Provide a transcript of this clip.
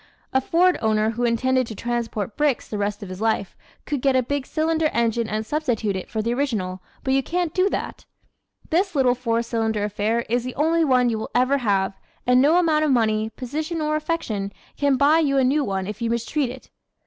A Ford owner who intended to transport bricks the rest of his life could get a big cylinder engine and substitute it for the original but you can't do that. This little four cylinder affair is the only one you will ever have and no amount of money, position or affection can buy you a new one if you mistreat it.